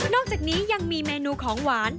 อกจากนี้ยังมีเมนูของหวาน